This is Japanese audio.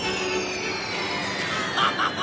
ハハハッ！